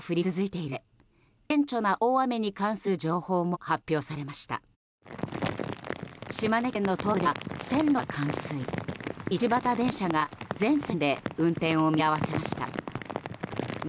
一畑電車が全線で運転を見合わせました。